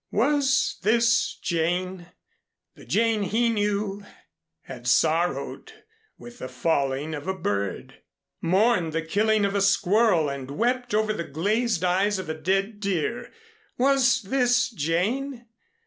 Was this Jane? The Jane he knew had sorrowed with the falling of a bird, mourned the killing of a squirrel and wept over the glazed eyes of a dead deer. Was this Jane?